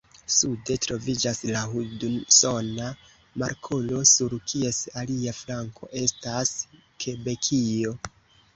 Sude troviĝas la Hudsona Markolo, sur kies alia flanko estas Kebekio.